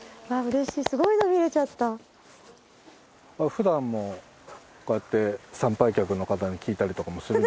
普段もこうやって参拝客の方に聞いたりとかもするんですか？